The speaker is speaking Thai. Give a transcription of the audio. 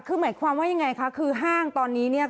คือหมายความว่ายังไงคะคือห้างตอนนี้เนี่ย